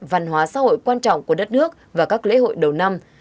văn hóa xã hội quan trọng của đất nước và các lễ hội đầu năm